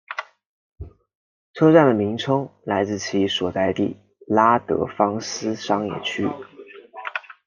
车站的名称来自其所在地拉德芳斯商业区。